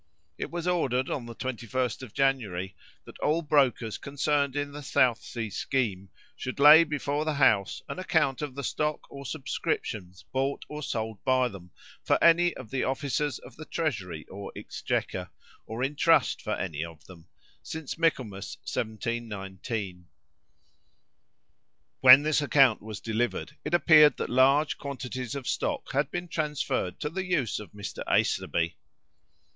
It was ordered, on the 21st of January, that all brokers concerned in the South Sea scheme should lay before the House an account of the stock or subscriptions bought or sold by them for any of the officers of the Treasury or Exchequer, or in trust for any of them, since Michaelmas 1719. When this account was delivered, it appeared that large quantities of stock had been transferred to the use of Mr. Aislabie.